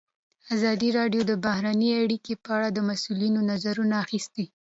ازادي راډیو د بهرنۍ اړیکې په اړه د مسؤلینو نظرونه اخیستي.